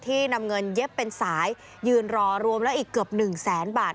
นำเงินเย็บเป็นสายยืนรอรวมแล้วอีกเกือบหนึ่งแสนบาท